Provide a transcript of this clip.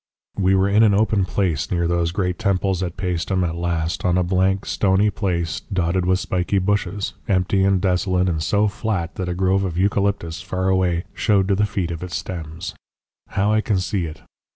We were in an open place near those great temples at Paestum, at last, on a blank stony place dotted with spiky bushes, empty and desolate and so flat that a grove of eucalyptus far away showed to the feet of its stems. How I can see it!